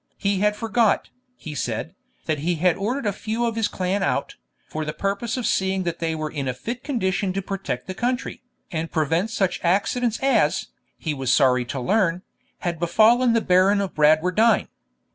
'He had forgot,' he said, 'that he had ordered a few of his clan out, for the purpose of seeing that they were in a fit condition to protect the country, and prevent such accidents as, he was sorry to learn, had befallen the Baron of Bradwardine.